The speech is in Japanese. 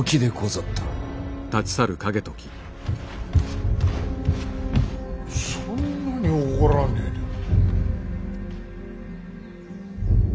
そんなに怒らねえでも。